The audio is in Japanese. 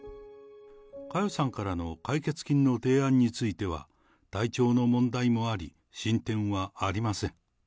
佳代さんからの解決金の提案については、体調の問題もあり、進展はありません。